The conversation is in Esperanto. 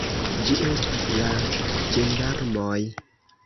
Ĝi estas la ĝendarmoj!